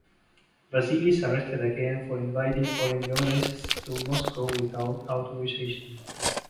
Vasily is arrested again for inviting foreign journalists to Moscow without authorization.